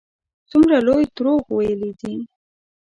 څومره لوی دروغ ویلي دي.